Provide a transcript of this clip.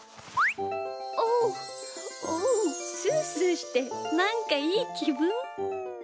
おっおうスースーしてなんかいいきぶん！